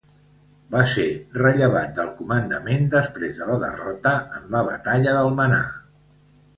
Va ser rellevat del comandament després de la derrota en la Batalla d'Almenar.